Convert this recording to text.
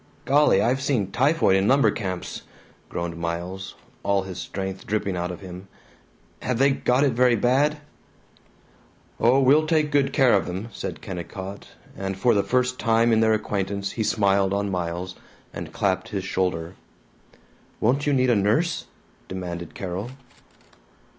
"Golly, I've seen typhoid in lumber camps," groaned Miles, all the strength dripping out of him. "Have they got it very bad?" "Oh, we'll take good care of them," said Kennicott, and for the first time in their acquaintance he smiled on Miles and clapped his shoulder. "Won't you need a nurse?" demanded Carol.